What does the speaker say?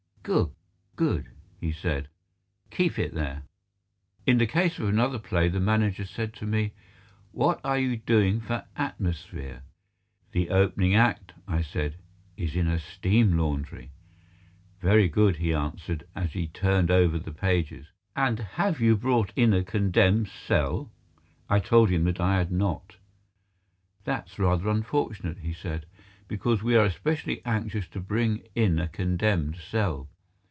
"Good, good," he said; "keep it there." In the case of another play the manager said to me, "What are you doing for atmosphere?" "The opening act," I said, "is in a steam laundry." "Very good," he answered as he turned over the pages, "and have you brought in a condemned cell?" I told him that I had not. "That's rather unfortunate," he said, "because we are especially anxious to bring in a condemned cell.